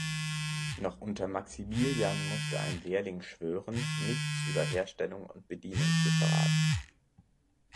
Noch unter Maximilian musste ein Lehrling schwören, nichts über Herstellung und Bedienung zu verraten.